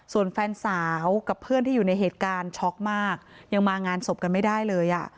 ส่วนแฟนสาวกับเพื่อนที่อยู่ในเหตุการณ์ช็อกมากยังมางานศพกันไม่ได้เลยอ่ะ